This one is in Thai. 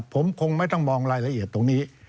ผมคงไม่ต้องมองรายละเอียดตรงนี้